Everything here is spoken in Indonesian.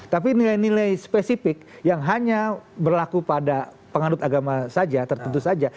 tapi nilai nilai spesifik yang hanya berlaku pada penganut agama saja tertentu saja